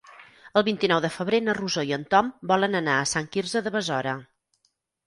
El vint-i-nou de febrer na Rosó i en Tom volen anar a Sant Quirze de Besora.